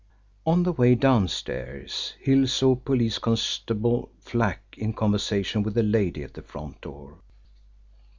On the way downstairs, Hill saw Police Constable Flack in conversation with a lady at the front door.